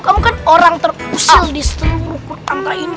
kamu kan orang terusil di seluruh kukur kanta ini